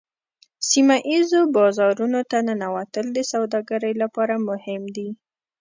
سیمه ایزو بازارونو ته ننوتل د سوداګرۍ لپاره مهم دي